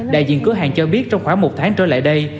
đại diện cửa hàng cho biết trong khoảng một tháng trở lại đây